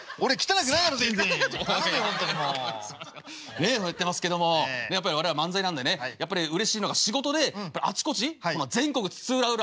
ねえそうやってますけどもやっぱり我々は漫才なんでねやっぱりうれしいのが仕事であちこち全国津々浦々